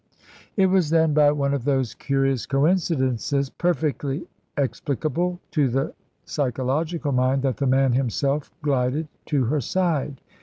It was, then, by one of those curious coincidences perfectly explicable to the psychological mind, that the man himself glided to her side.